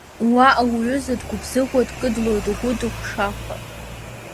Уаҟа уҩыза дгәыбзыӷуа, дкыдлоит угәы дыхәшаха.